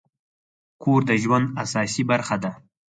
کور د ژوند اساسي برخه ده.